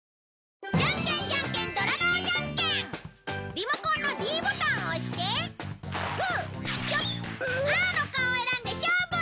リモコンのｄボタンを押してグーチョキパーの顔を選んで勝負！